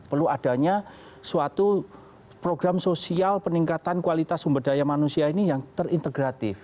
perlu adanya suatu program sosial peningkatan kualitas sumber daya manusia ini yang terintegratif